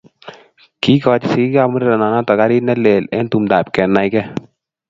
Kiikoch sikikab murerenoto garit ne lel eng tumdap kenaikei